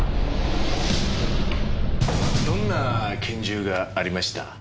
どんな拳銃がありました？